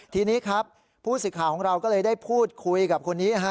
ทีนี้ครับผู้สื่อข่าวของเราก็เลยได้พูดคุยกับคนนี้ฮะ